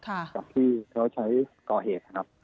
กับที่เขาใช้กอเหตุ